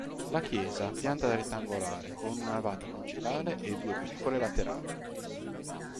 La chiesa ha pianta rettangolare con una navata principale e due piccole laterali.